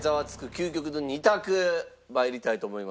究極の２択参りたいと思います。